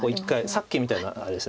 さっきみたいなあれです。